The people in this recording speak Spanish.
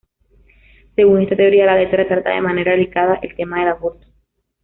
Según esta teoría, la letra trata de manera delicada el tema del aborto.